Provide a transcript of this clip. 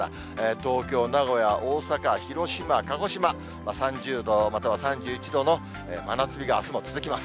東京、名古屋、大阪、広島、鹿児島、３０度、または３１度の真夏日があすも続きます。